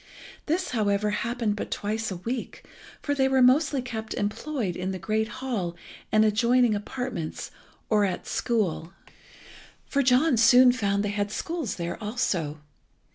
This, however, happened but twice a week, for they were mostly kept employed in the great hall and adjoining apartments or at school. For John soon found they had schools there also.